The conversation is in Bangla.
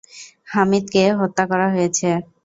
হামিদকে হত্যা করা হয়েছে।